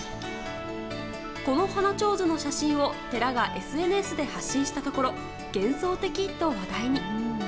この花手水の写真を寺がＳＮＳで発信したところ幻想的と話題に。